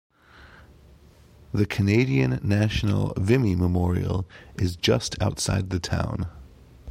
The Canadian National Vimy Memorial is just outside the town.